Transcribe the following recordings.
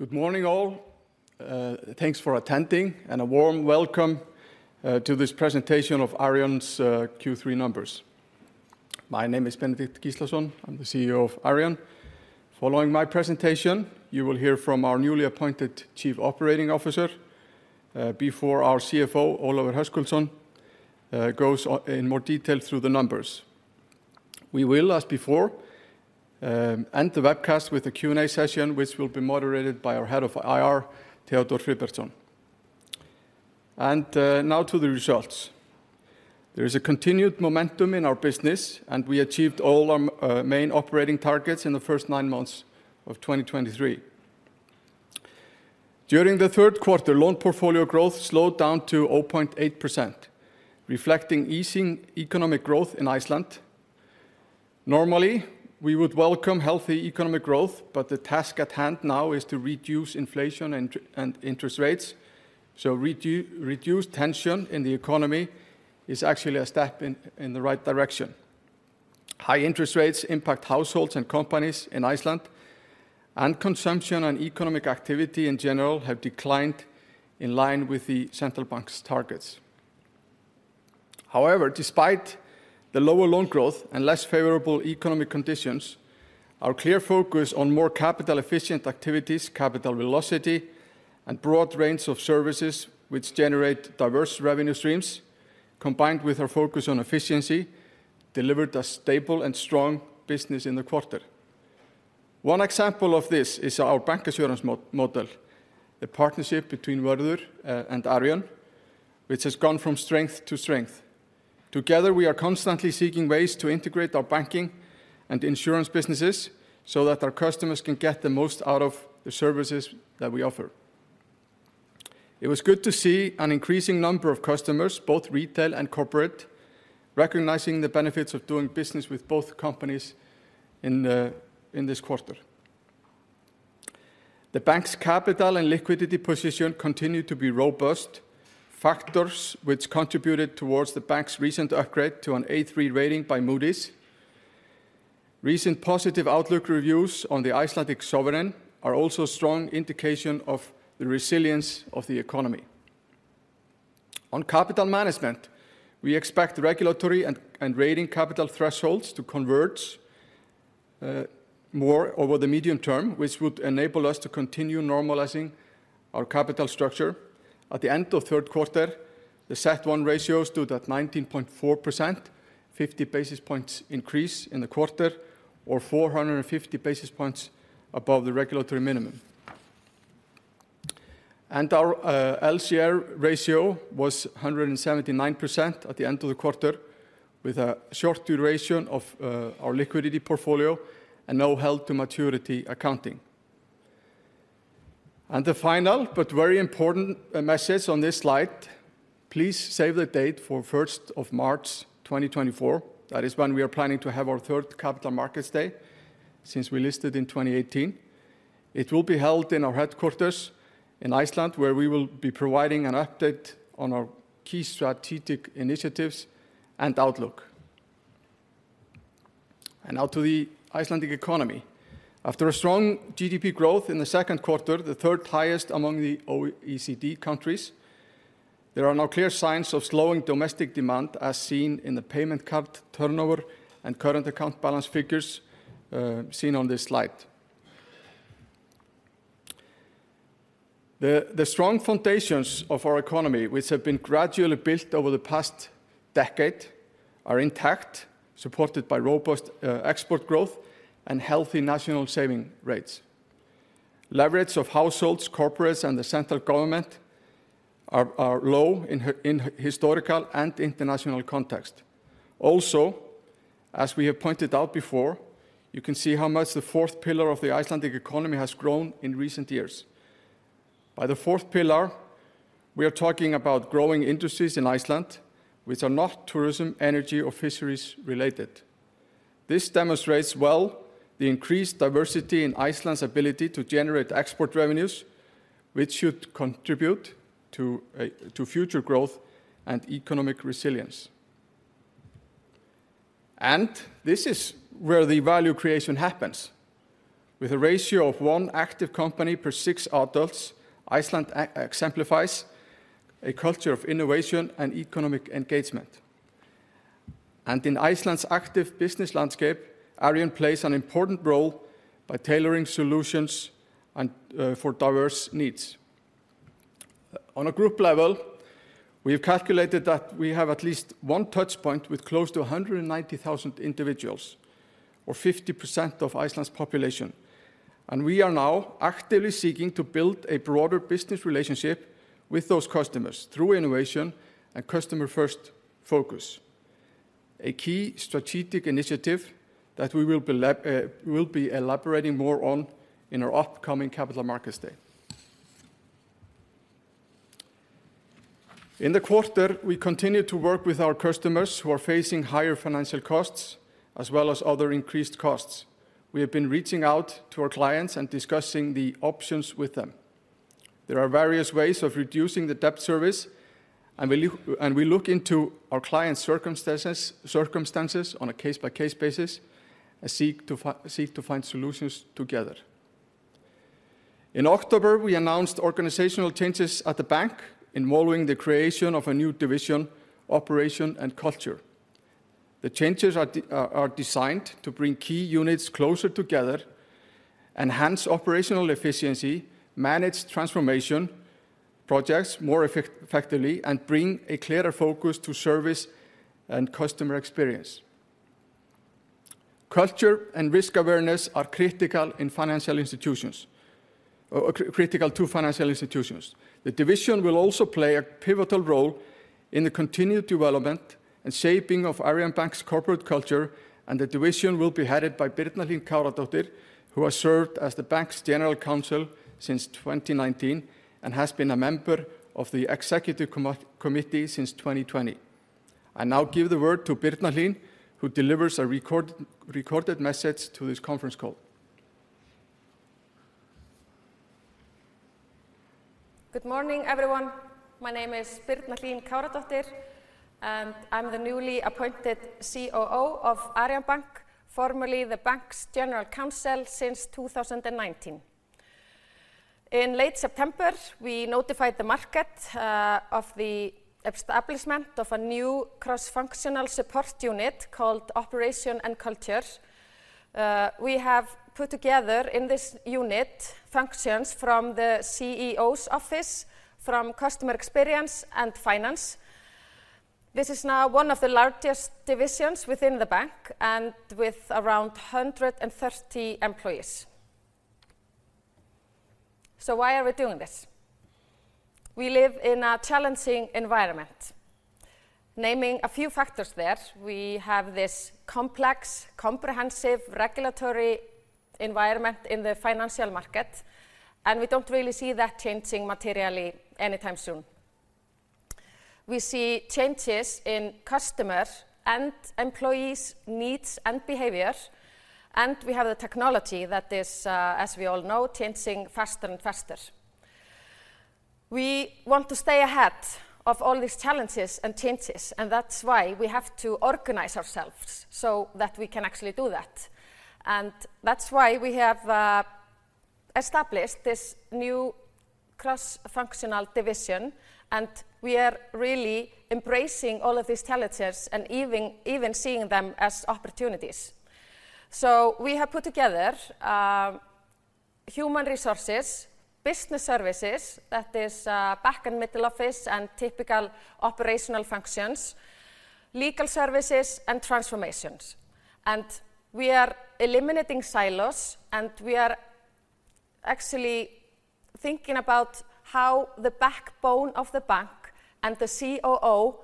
Good morning, all. Thanks for attending, and a warm welcome to this presentation of Arion's Q3 Numbers. My name is Benedikt Gíslason. I'm the CEO of Arion. Following my presentation, you will hear from our newly appointed Chief Operating Officer before our CFO, Ólafur Höskuldsson, goes on in more detail through the numbers. We will, as before, end the webcast with a Q&A session, which will be moderated by our Head of IR, Theodór Friðbertsson. Now to the results. There is a continued momentum in our business, and we achieved all our main operating targets in the first nine months of 2023. During the third quarter, loan portfolio growth slowed down to 0.8%, reflecting easing economic growth in Iceland. Normally, we would welcome healthy economic growth, but the task at hand now is to reduce inflation and interest rates, so reduced tension in the economy is actually a step in the right direction. High interest rates impact households and companies in Iceland, and consumption and economic activity, in general, have declined in line with the Central Bank's targets. However, despite the lower loan growth and less favorable economic conditions, our clear focus on more capital-efficient activities, capital velocity, and broad range of services which generate diverse revenue streams, combined with our focus on efficiency, delivered a stable and strong business in the quarter. One example of this is our bancassurance model, the partnership between Vörður and Arion, which has gone from strength to strength. Together, we are constantly seeking ways to integrate our banking and insurance businesses so that our customers can get the most out of the services that we offer. It was good to see an increasing number of customers, both retail and corporate, recognizing the benefits of doing business with both companies in this quarter. The bank's capital and liquidity position continued to be robust, factors which contributed towards the bank's recent upgrade to an A3 rating by Moody's. Recent positive outlook reviews on the Icelandic sovereign are also a strong indication of the resilience of the economy. On capital management, we expect regulatory and rating capital thresholds to converge more over the medium term, which would enable us to continue normalizing our capital structure. At the end of third quarter, the CET1 ratio stood at 19.4%, 50 basis points increase in the quarter, or 450 basis points above the regulatory minimum. And our LCR ratio was 179% at the end of the quarter, with a short duration of our liquidity portfolio and no held-to-maturity accounting. And the final but very important message on this slide, please save the date for first of March, 2024. That is when we are planning to have our third Capital Markets Day since we listed in 2018. It will be held in our headquarters in Iceland, where we will be providing an update on our key strategic initiatives and outlook. And now to the Icelandic economy. After a strong GDP growth in the second quarter, the third highest among the OECD countries, there are now clear signs of slowing domestic demand, as seen in the payment card turnover and current account balance figures, seen on this slide. The strong foundations of our economy, which have been gradually built over the past decade, are intact, supported by robust export growth and healthy national saving rates. Leverage of households, corporates, and the central government are low in historical and international context. Also, as we have pointed out before, you can see how much the fourth pillar of the Icelandic economy has grown in recent years. By the fourth pillar, we are talking about growing industries in Iceland which are not tourism, energy, or fisheries related. This demonstrates well the increased diversity in Iceland's ability to generate export revenues, which should contribute to future growth and economic resilience. This is where the value creation happens. With a ratio of one active company per six adults, Iceland exemplifies a culture of innovation and economic engagement. In Iceland's active business landscape, Arion plays an important role by tailoring solutions for diverse needs. On a group level, we have calculated that we have at least one touch point with close to 190,000 individuals, or 50% of Iceland's population, and we are now actively seeking to build a broader business relationship with those customers through innovation and customer-first focus, a key strategic initiative that we'll be elaborating more on in our upcoming Capital Markets Day. In the quarter, we continued to work with our customers who are facing higher financial costs, as well as other increased costs. We have been reaching out to our clients and discussing the options with them. There are various ways of reducing the debt service, and we look into our clients' circumstances on a case-by-case basis, and seek to find solutions together. In October, we announced organizational changes at the bank involving the creation of a new division, Operations and Culture. The changes are designed to bring key units closer together, enhance operational efficiency, manage transformation projects more effectively, and bring a clearer focus to service and customer experience. Culture and risk awareness are critical to financial institutions. The division will also play a pivotal role in the continued development and shaping of Arion Bank's corporate culture, and the division will be headed by Birna Hlín Káradóttir, who has served as the bank's general counsel since 2019, and has been a member of the executive committee since 2020. I now give the word to Birna Hlín, who delivers a recorded message to this conference call. Good morning, everyone. My name is Birna Hlín Káradóttir, and I'm the newly appointed COO of Arion Bank, formerly the bank's general counsel since 2019. In late September, we notified the market of the establishment of a new cross-functional support unit called Operations and Culture. We have put together in this unit functions from the CEO's office, from customer experience, and finance. This is now one of the largest divisions within the bank, and with around 130 employees. So why are we doing this? We live in a challenging environment. Naming a few factors there, we have this complex, comprehensive regulatory environment in the financial market, and we don't really see that changing materially anytime soon. We see changes in customer and employees' needs and behavior, and we have the technology that is, as we all know, changing faster and faster. We want to stay ahead of all these challenges and changes, and that's why we have to organize ourselves so that we can actually do that. And that's why we have established this new cross-functional division, and we are really embracing all of these challenges and even, even seeing them as opportunities. So we have put together human resources, business services, that is back and middle office, and typical operational functions, legal services, and transformations. And we are eliminating silos, and we are actually thinking about how the backbone of the bank and the COO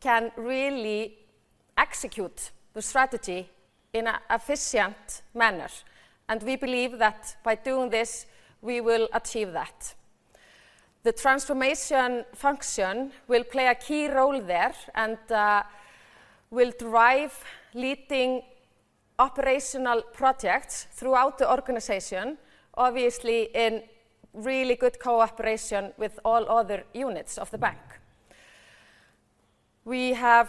can really execute the strategy in a efficient manner, and we believe that by doing this, we will achieve that. The transformation function will play a key role there, and will drive leading operational projects throughout the organization, obviously in really good cooperation with all other units of the bank. We have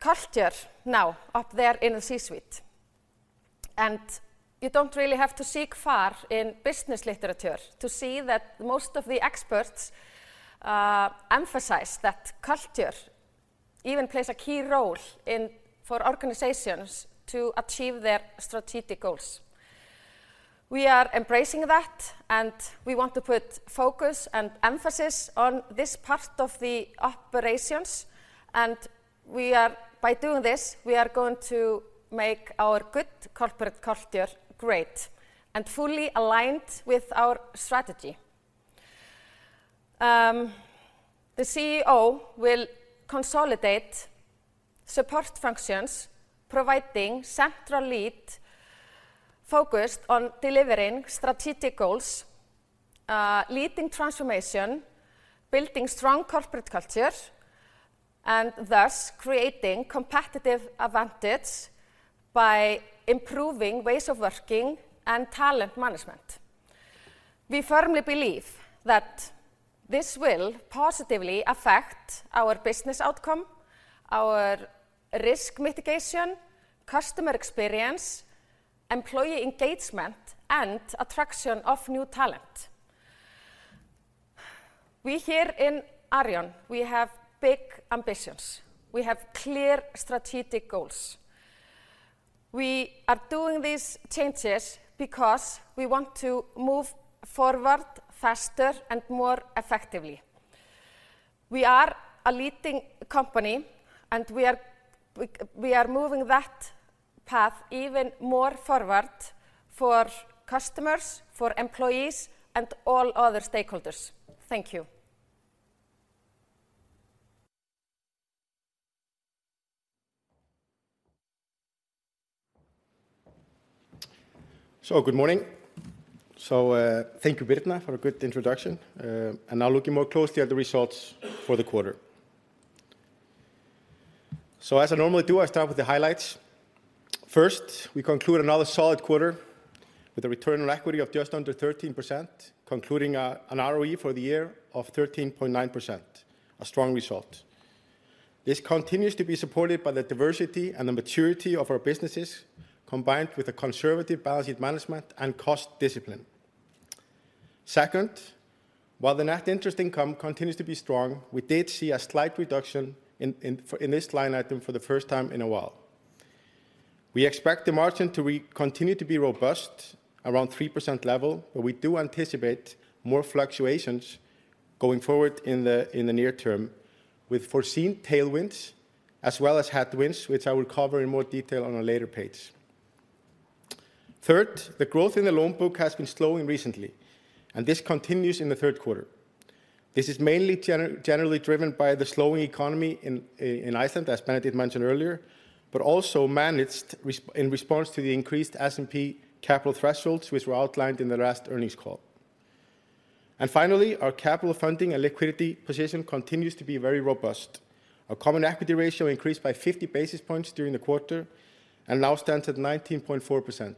culture now up there in the C-suite, and you don't really have to seek far in business literature to see that most of the experts emphasize that culture even plays a key role in for organizations to achieve their strategic goals. We are embracing that, and we want to put focus and emphasis on this part of the operations, and by doing this, we are going to make our good corporate culture great and fully aligned with our strategy. The CEO will consolidate support functions, providing central lead focused on delivering strategic goals, leading transformation, building strong corporate culture, and thus creating competitive advantage by improving ways of working and talent management. We firmly believe that this will positively affect our business outcome, our risk mitigation, customer experience, employee engagement, and attraction of new talent. We here in Arion, we have big ambitions. We have clear strategic goals. We are doing these changes because we want to move forward faster and more effectively. We are a leading company, and we are moving that path even more forward for customers, for employees, and all other stakeholders. Thank you. Good morning. Thank you, Birna, for a good introduction, and now looking more closely at the results for the quarter. So as I normally do, I start with the highlights. First, we conclude another solid quarter with a return on equity of just under 13%, concluding an ROE for the year of 13.9%, a strong result. This continues to be supported by the diversity and the maturity of our businesses, combined with a conservative balance sheet management and cost discipline. Second, while the net interest income continues to be strong, we did see a slight reduction in this line item for the first time in a while. We expect the margin to continue to be robust, around 3% level, but we do anticipate more fluctuations going forward in the near term, with foreseen tailwinds as well as headwinds, which I will cover in more detail on a later page. Third, the growth in the loan book has been slowing recently, and this continues in the third quarter. This is mainly generally driven by the slowing economy in Iceland, as Benedikt mentioned earlier, but also in response to the increased S&P capital thresholds, which were outlined in the last earnings call. Finally, our capital funding and liquidity position continues to be very robust. Our common equity ratio increased by 50 basis points during the quarter and now stands at 19.4%.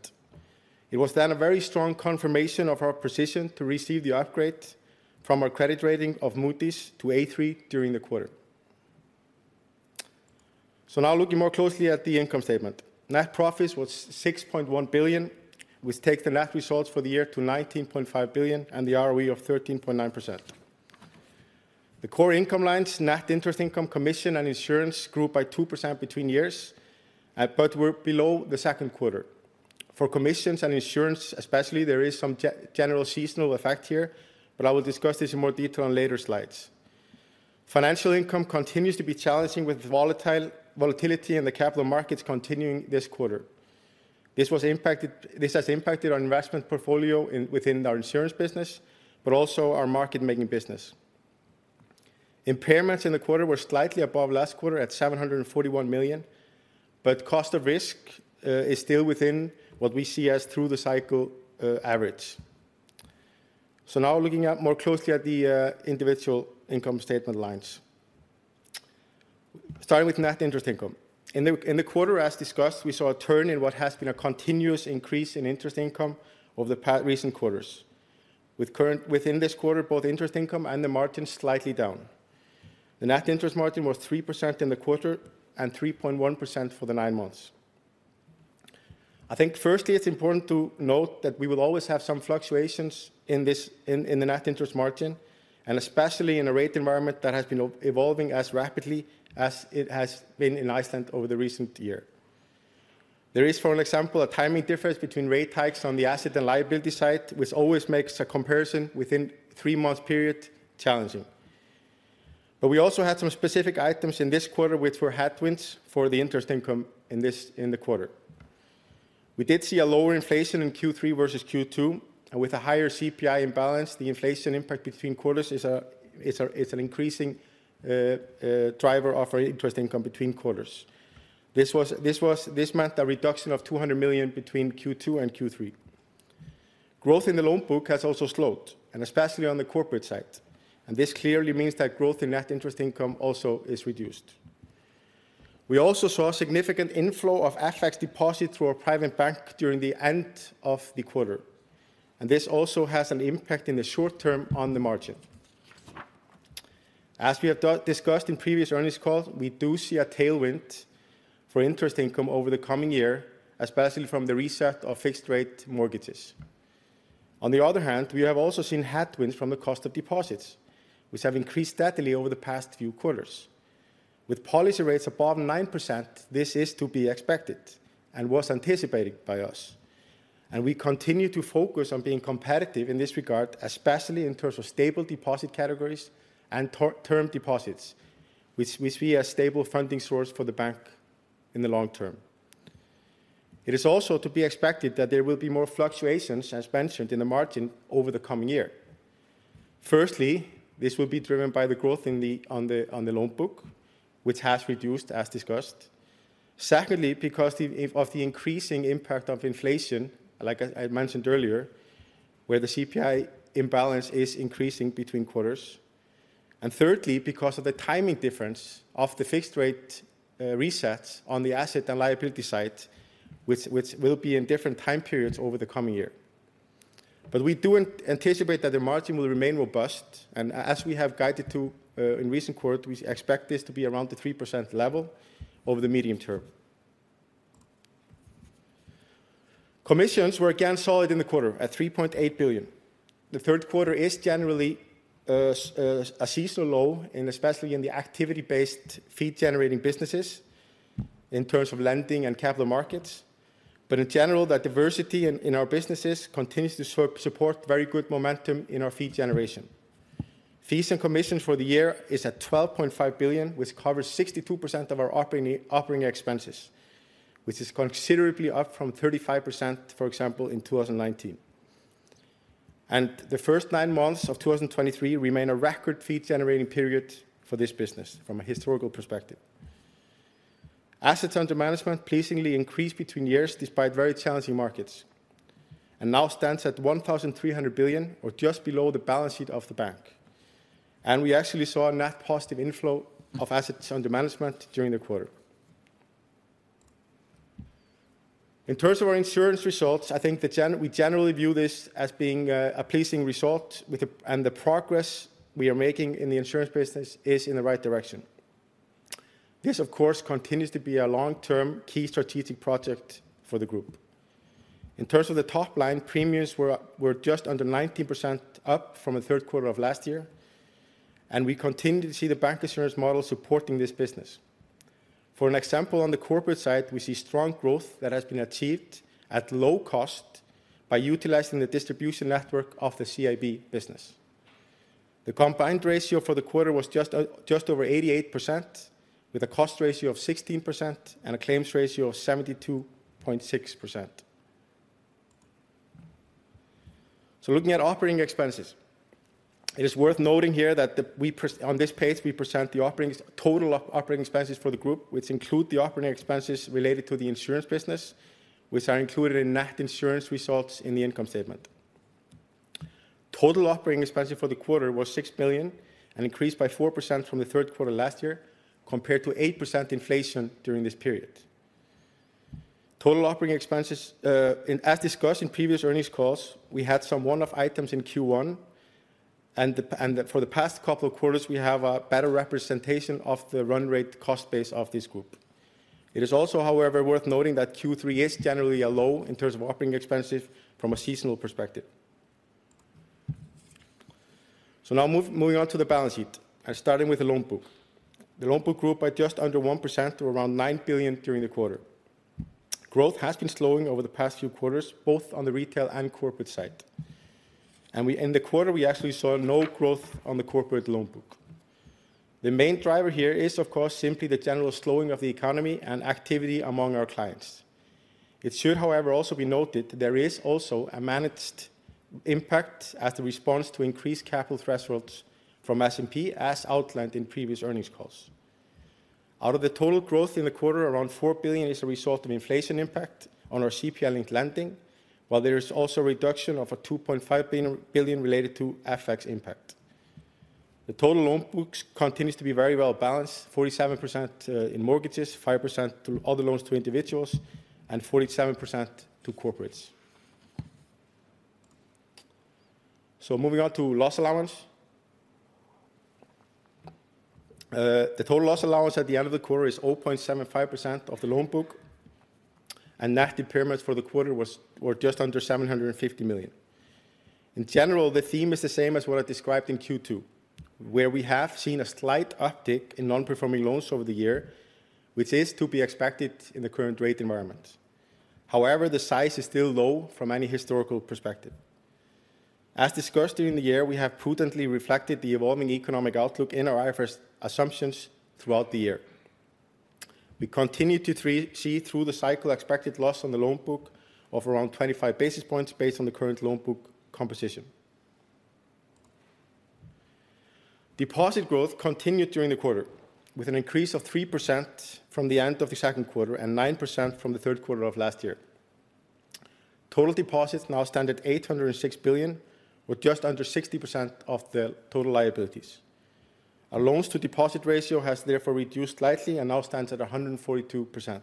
It was then a very strong confirmation of our position to receive the upgrade from our credit rating of Moody's to A3 during the quarter. Now looking more closely at the income statement. Net profits was 6.1 billion, which take the net results for the year to 19.5 billion and the ROE of 13.9%. The core income lines, net interest income, commission, and insurance grew by 2% between years, but were below the second quarter. For commissions and insurance especially, there is some general seasonal effect here, but I will discuss this in more detail on later slides. Financial income continues to be challenging with volatility in the capital markets continuing this quarter. This has impacted our investment portfolio within our insurance business, but also our market making business. Impairments in the quarter were slightly above last quarter at 741 million, but cost of risk is still within what we see as through the cycle average. Now looking more closely at the individual income statement lines. Starting with net interest income. In the quarter, as discussed, we saw a turn in what has been a continuous increase in interest income over the recent quarters. Within this quarter, both interest income and the margin slightly down. The net interest margin was 3% in the quarter and 3.1% for the nine months. I think, firstly, it's important to note that we will always have some fluctuations in this, in the net interest margin, and especially in a rate environment that has been evolving as rapidly as it has been in Iceland over the recent year. There is, for example, a timing difference between rate hikes on the asset and liability side, which always makes a comparison within three months period challenging. But we also had some specific items in this quarter which were headwinds for the interest income in this quarter. We did see a lower inflation in Q3 versus Q2, and with a higher CPI imbalance, the inflation impact between quarters is an increasing driver of our interest income between quarters. This meant a reduction of 200 million between Q2 and Q3. Growth in the loan book has also slowed, and especially on the corporate side, and this clearly means that growth in net interest income also is reduced. We also saw a significant inflow of FX deposits through our private bank during the end of the quarter, and this also has an impact in the short term on the margin. As we have discussed in previous earnings call, we do see a tailwind for interest income over the coming year, especially from the reset of fixed-rate mortgages. On the other hand, we have also seen headwinds from the cost of deposits, which have increased steadily over the past few quarters. With policy rates above 9%, this is to be expected and was anticipated by us, and we continue to focus on being competitive in this regard, especially in terms of stable deposit categories and term deposits, which we see a stable funding source for the bank in the long term. It is also to be expected that there will be more fluctuations, as mentioned, in the margin over the coming year. Firstly, this will be driven by the growth in the loan book, which has reduced, as discussed. Secondly, because of the increasing impact of inflation, like I mentioned earlier, where the CPI imbalance is increasing between quarters. And thirdly, because of the timing difference of the fixed rate resets on the asset and liability side, which will be in different time periods over the coming year. But we do anticipate that the margin will remain robust, and as we have guided to in recent quarter, we expect this to be around the 3% level over the medium term. Commissions were again solid in the quarter at 3.8 billion. The third quarter is generally a seasonal low, and especially in the activity-based fee generating businesses in terms of lending and capital markets. But in general, that diversity in our businesses continues to support very good momentum in our fee generation. Fees and commissions for the year is at 12.5 billion, which covers 62% of our operating expenses, which is considerably up from 35%, for example, in 2019. The first nine months of 2023 remain a record fee-generating period for this business from a historical perspective. Assets under management pleasingly increased between years despite very challenging markets. And now stands at 1,300 billion or just below the balance sheet of the bank. We actually saw a net positive inflow of assets under management during the quarter. In terms of our insurance results, I think we generally view this as being a pleasing result with the, and the progress we are making in the insurance business is in the right direction. This, of course, continues to be a long-term key strategic project for the group. In terms of the top line, premiums were just under 19% up from the third quarter of last year, and we continue to see the bancassurance model supporting this business. For an example, on the corporate side, we see strong growth that has been achieved at low cost by utilizing the distribution network of the CIB business. The combined ratio for the quarter was just over 88%, with a cost ratio of 16% and a claims ratio of 72.6%. So looking at operating expenses, it is worth noting here that the, on this page, we present the operating, total operating expenses for the group, which include the operating expenses related to the insurance business, which are included in net insurance results in the income statement. Total operating expenses for the quarter was 6 billion and increased by 4% from the third quarter last year, compared to 8% inflation during this period. Total operating expenses, as discussed in previous earnings calls, we had some one-off items in Q1, and for the past couple of quarters, we have a better representation of the run rate cost base of this group. It is also, however, worth noting that Q3 is generally a low in terms of operating expenses from a seasonal perspective. So now moving on to the balance sheet and starting with the loan book. The loan book grew by just under 1% to around 9 billion during the quarter. Growth has been slowing over the past few quarters, both on the retail and corporate side. And we, in the quarter, we actually saw no growth on the corporate loan book. The main driver here is, of course, simply the general slowing of the economy and activity among our clients. It should, however, also be noted there is also a managed impact as a response to increased capital thresholds from S&P, as outlined in previous earnings calls. Out of the total growth in the quarter, around 4 billion is a result of inflation impact on our CPI-linked lending, while there is also a reduction of a 2.5 billion, billion related to FX impact. The total loan books continues to be very well balanced, 47%, in mortgages, 5% to other loans to individuals, and 47% to corporates. So moving on to loss allowance. The total loss allowance at the end of the quarter is 0.75% of the loan book, and net impairments for the quarter were just under 750 million. In general, the theme is the same as what I described in Q2, where we have seen a slight uptick in non-performing loans over the year, which is to be expected in the current rate environment. However, the size is still low from any historical perspective. As discussed during the year, we have prudently reflected the evolving economic outlook in our IFRS assumptions throughout the year. We continue to see through the cycle expected loss on the loan book of around 25 basis points based on the current loan book composition. Deposit growth continued during the quarter, with an increase of 3% from the end of the second quarter and 9% from the third quarter of last year. Total deposits now stand at 806 billion, or just under 60% of the total liabilities. Our loans to deposit ratio has therefore reduced slightly and now stands at 142%.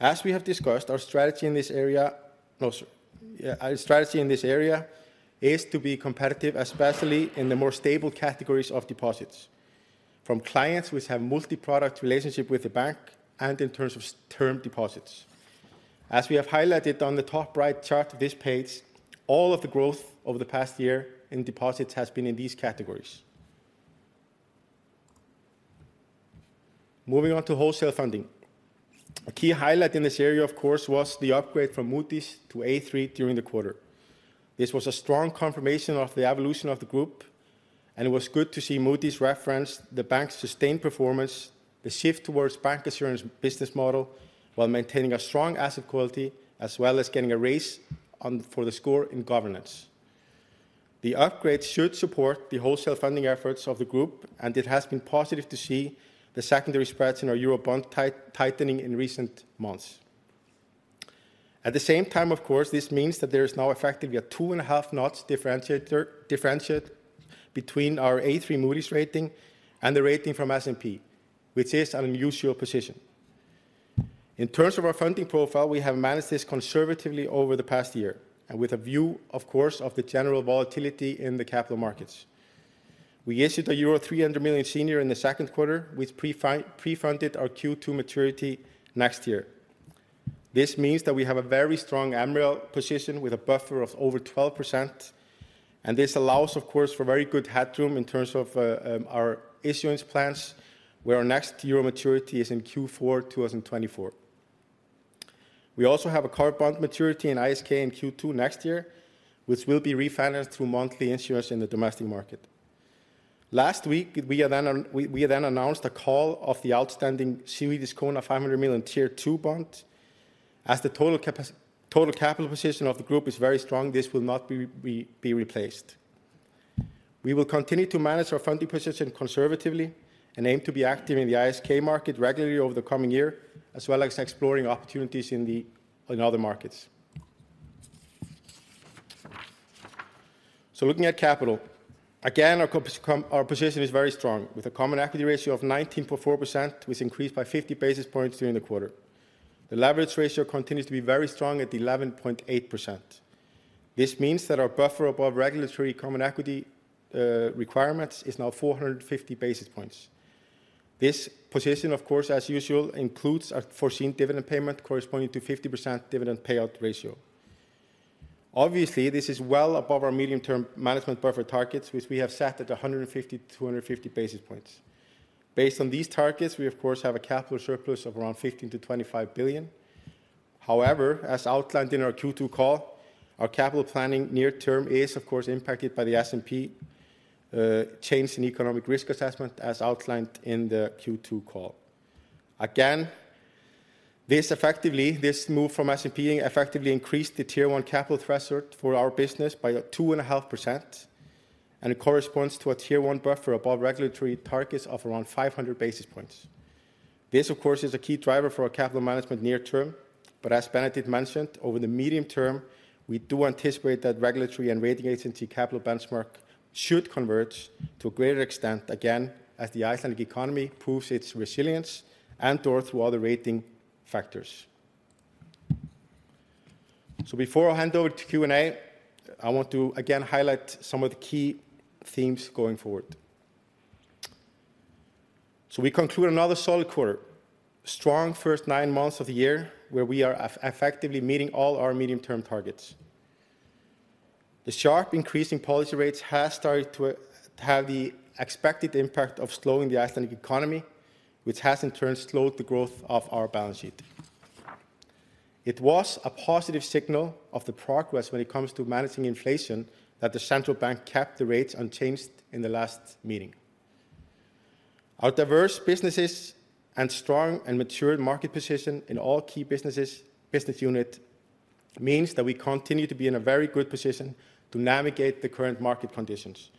As we have discussed, our strategy in this area is to be competitive, especially in the more stable categories of deposits, from clients which have multi-product relationship with the bank and in terms of term deposits. As we have highlighted on the top right chart of this page, all of the growth over the past year in deposits has been in these categories. Moving on to wholesale funding. A key highlight in this area, of course, was the upgrade from Moody's to A3 during the quarter. This was a strong confirmation of the evolution of the group, and it was good to see Moody's reference the bank's sustained performance, the shift towards bancassurance business model, while maintaining a strong asset quality, as well as getting a raise on, for the score in governance. The upgrade should support the wholesale funding efforts of the group, and it has been positive to see the secondary spreads in our Eurobond tightening in recent months. At the same time, of course, this means that there is now effectively a 2.5 notches differentiator between our A3 Moody's rating and the rating from S&P, which is an unusual position. In terms of our funding profile, we have managed this conservatively over the past year and with a view, of course, of the general volatility in the capital markets. We issued a euro 300 million senior in the second quarter, which prefunded our Q2 maturity next year. This means that we have a very strong MREL position with a buffer of over 12%, and this allows, of course, for very good headroom in terms of our issuance plans, where our next Euro maturity is in Q4, 2024. We also have a covered bond maturity in ISK in Q2 next year, which will be refinanced through monthly issuance in the domestic market. Last week, we then announced a call of the outstanding 500 million Tier 2 bond. As the total capital position of the group is very strong, this will not be replaced. We will continue to manage our funding position conservatively and aim to be active in the ISK market regularly over the coming year, as well as exploring opportunities in the other markets. So looking at capital. Again, our position is very strong, with a common equity ratio of 19.4%, which increased by 50 basis points during the quarter. The leverage ratio continues to be very strong at 11.8%. This means that our buffer above regulatory common equity requirements is now 450 basis points. This position, of course, as usual, includes a foreseen dividend payment corresponding to 50% dividend payout ratio. Obviously, this is well above our medium-term management buffer targets, which we have set at 150-250 basis points. Based on these targets, we, of course, have a capital surplus of around 15-25 billion. However, as outlined in our Q2 call, our capital planning near term is, of course, impacted by the S&P change in economic risk assessment, as outlined in the Q2 call. Again, this effectively, this move from S&P effectively increased the Tier 1 capital threshold for our business by 2.5%, and it corresponds to a Tier 1 buffer above regulatory targets of around 500 basis points. This, of course, is a key driver for our capital management near term, but as Benedikt mentioned, over the medium term, we do anticipate that regulatory and rating agency capital benchmark should converge to a greater extent, again, as the Icelandic economy proves its resilience and or through other rating factors. So before I hand over to Q&A, I want to again highlight some of the key themes going forward. We conclude another solid quarter, strong first nine months of the year, where we are effectively meeting all our medium-term targets. The sharp increase in policy rates has started to have the expected impact of slowing the Icelandic economy, which has in turn slowed the growth of our balance sheet. It was a positive signal of the progress when it comes to managing inflation, that the Central Bank kept the rates unchanged in the last meeting. Our diverse businesses and strong and mature market position in all key businesses, business unit, means that we continue to be in a very good position to navigate the current market conditions.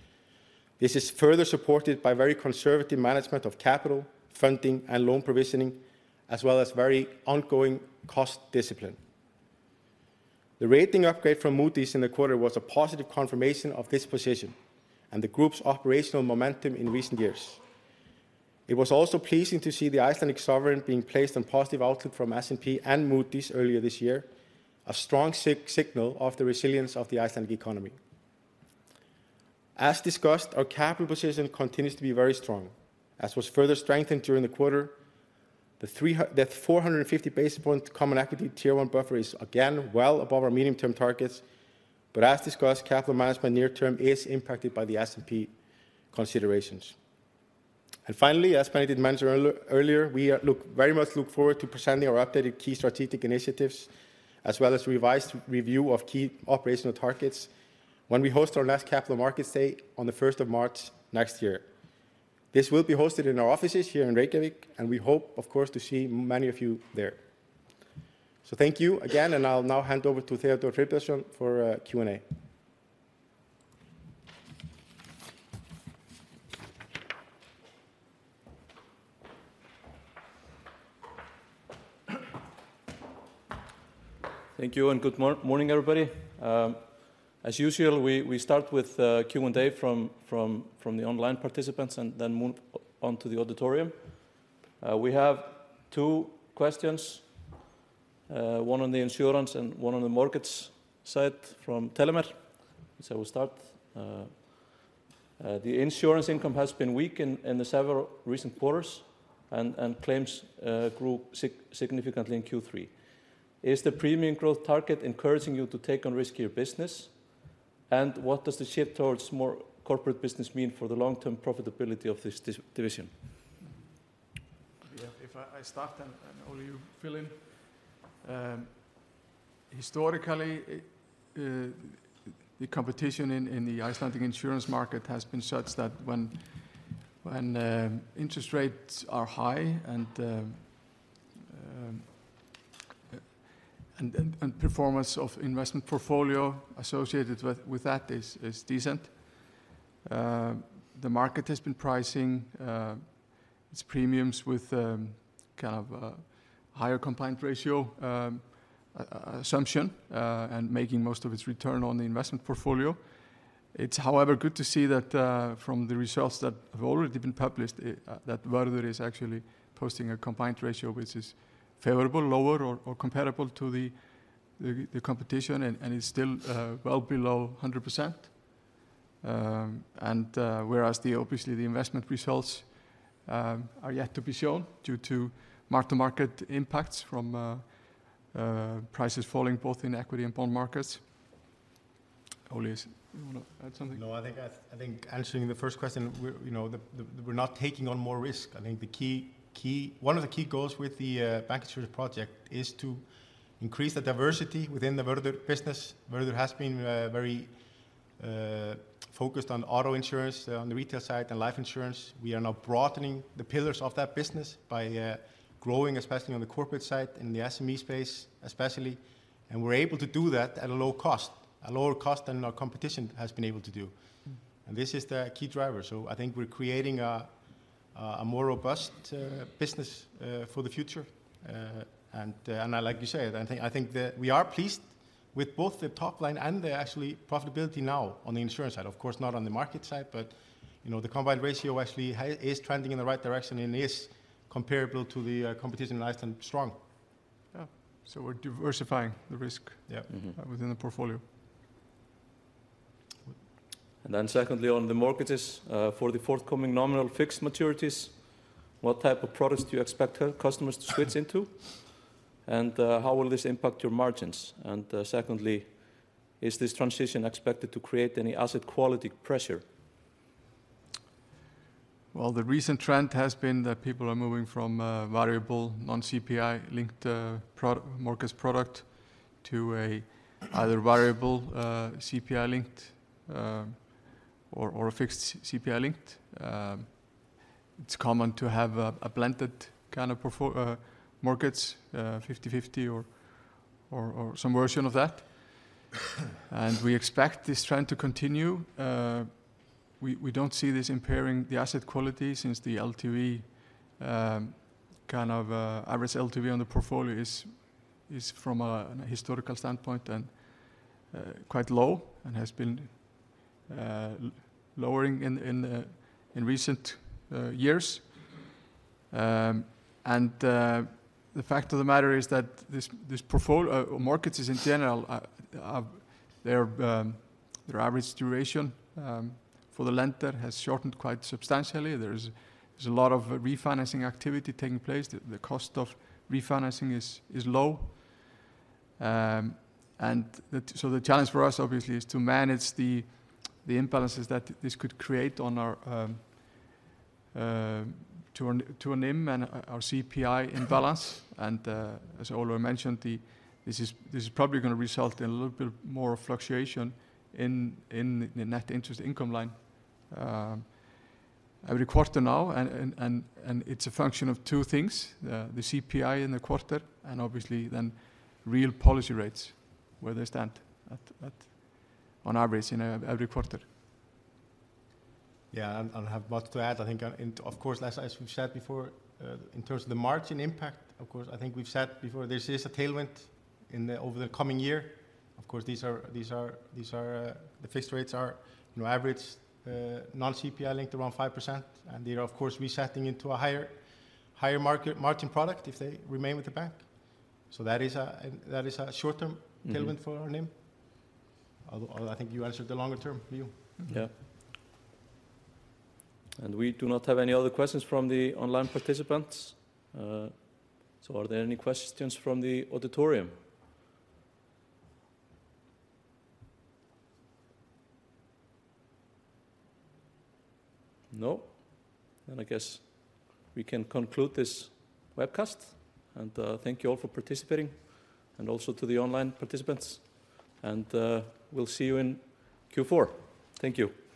This is further supported by very conservative management of capital, funding, and loan provisioning, as well as very ongoing cost discipline. The rating upgrade from Moody's in the quarter was a positive confirmation of this position and the group's operational momentum in recent years. It was also pleasing to see the Icelandic sovereign being placed on positive outlook from S&P and Moody's earlier this year, a strong signal of the resilience of the Icelandic economy. As discussed, our capital position continues to be very strong, as was further strengthened during the quarter. The 450 basis point common equity Tier 1 buffer is again well above our medium-term targets, but as discussed, capital management near term is impacted by the S&P considerations. And finally, as Benedikt mentioned earlier, we look very much look forward to presenting our updated key strategic initiatives, as well as revised review of key operational targets when we host our next Capital Markets Day on the first of March next year. This will be hosted in our offices here in Reykjavík, and we hope, of course, to see many of you there. So thank you again, and I'll now hand over to Theodór Friðbertsson for Q&A. Thank you, and good morning, everybody. As usual, we start with Q&A from the online participants and then move on to the auditorium. We have two questions, one on the insurance and one on the mortgage side from Tellimer. So we'll start. The insurance income has been weak in the several recent quarters, and claims grew significantly in Q3. Is the premium growth target encouraging you to take on riskier business? And what does the shift towards more corporate business mean for the long-term profitability of this division? Yeah, if I start, and Óla, you fill in. Historically, the competition in the Icelandic insurance market has been such that when interest rates are high and performance of investment portfolio associated with that is decent. The market has been pricing its premiums with kind of higher combined ratio assumption and making most of its return on the investment portfolio. It's, however, good to see that from the results that have already been published that Vörður is actually posting a combined ratio which is favorable, lower, or comparable to the competition and is still well below 100%. And whereas obviously the investment results are yet to be shown due to mark-to-market impacts from prices falling both in equity and bond markets. Óla, you want to add something? No, I think answering the first question, you know, we're not taking on more risk. I think the key. One of the key goals with the bancassurance project is to increase the diversity within the Vörður business. Vörður has been very focused on auto insurance on the retail side and life insurance. We are now broadening the pillars of that business by growing, especially on the corporate side, in the SME space, especially. And we're able to do that at a low cost, a lower cost than our competition has been able to do. And this is the key driver. So I think we're creating a more robust business for the future. And like you said, I think that we are pleased with both the top line and the actually profitability now on the insurance side. Of course, not on the market side, but you know, the combined ratio actually is trending in the right direction and is comparable to the competition in Iceland, strong. Yeah. So we're diversifying the risk- Yeah. Mm-hmm. - within the portfolio. And then secondly, on the mortgages, for the forthcoming nominal fixed maturities, what type of products do you expect her customers to switch into? And, how will this impact your margins? And, secondly, is this transition expected to create any asset quality pressure? Well, the recent trend has been that people are moving from variable non-CPI-linked mortgage product to either variable CPI-linked, or a fixed CPI-linked. It's common to have a blended kind of mortgage, 50/50 or some version of that. And we expect this trend to continue. We don't see this impairing the asset quality since the LTV average on the portfolio is from an historical standpoint quite low and has been lowering in recent years. And the fact of the matter is that this mortgages in general their average duration for the lender has shortened quite substantially. There's a lot of refinancing activity taking place. The cost of refinancing is low. And so the challenge for us, obviously, is to manage the imbalances that this could create on our total NIM and our CPI imbalance. And as Ólafur mentioned, this is probably gonna result in a little bit more fluctuation in the net interest income line every quarter now. And it's a function of two things: the CPI in the quarter, and obviously then real policy rates, where they stand at on average in every quarter. Yeah, I'll have much to add. I think, and of course, as we've said before, in terms of the margin impact, of course, I think we've said before, there is a tailwind in the over the coming year. Of course, these are the fixed rates are, you know, average non-CPI-linked around 5%, and they are, of course, resetting into a higher market margin product if they remain with the bank. So that is a short-term. Mm Tailwind for our NIM. Although I think you answered the longer term view. Mm-hmm. Yeah. And we do not have any other questions from the online participants. So are there any questions from the auditorium? No. Then I guess we can conclude this webcast. And, thank you all for participating, and also to the online participants. And, we'll see you in Q4. Thank you. Thank you.